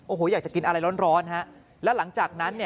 โอ้โหอยากจะกินอะไรร้อนฮะแล้วหลังจากนั้นเนี่ย